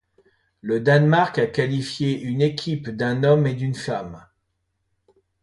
Le Danemark a qualifié une équipe d'un homme et d'une femme.